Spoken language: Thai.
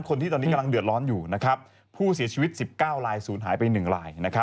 คนที่ตอนนี้กำลังเดือดร้อนอยู่นะครับผู้เสียชีวิต๑๙ลายศูนย์หายไป๑ลาย